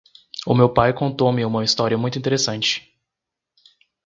O meu pai contou-me uma história muito interessante.